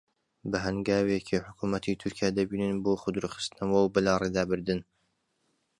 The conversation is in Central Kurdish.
بە هەنگاوێکی حکوومەتی تورکیا دەبینن بۆ خۆدوورخستنەوە و بەلاڕێدابردن